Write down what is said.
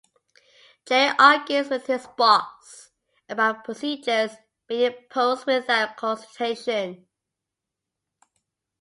Gerry argues with his boss about procedures being imposed without consultation.